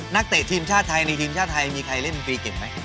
เตะทีมชาติไทยในทีมชาติไทยมีใครเล่นดนตรีเก่งไหม